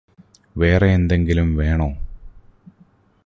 വേറെയെന്തെങ്കിലും വേണോ